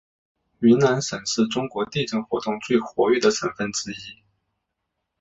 云南省是中国地震活动最活跃的省份之一。